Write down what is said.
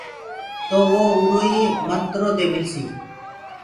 تو وو اِرو ئي منترو دي مِلسيٚ۔